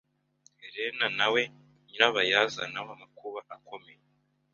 Helena nawe nyirabayazana w'amakuba akomeye